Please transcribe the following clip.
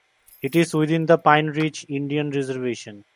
It is within the Pine Ridge Indian Reservation.